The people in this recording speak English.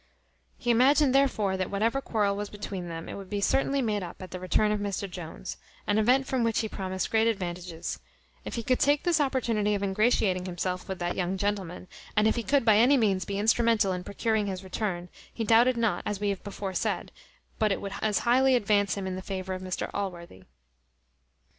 He imagined therefore that whatever quarrel was between them, it would be certainly made up at the return of Mr Jones; an event from which he promised great advantages, if he could take this opportunity of ingratiating himself with that young gentleman; and if he could by any means be instrumental in procuring his return, he doubted not, as we have before said, but it would as highly advance him in the favour of Mr Allworthy.